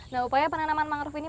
nah upaya penanaman mangrove ini